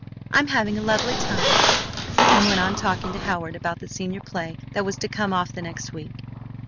I'm having a lovely time" and went on talking to Howard about the senior play that was to come off the next week.